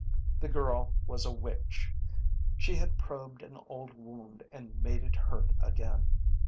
The girl was a witch. She had probed an old wound and made it hurt again.